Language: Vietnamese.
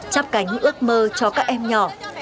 chắp cánh ước mơ cho các em nhỏ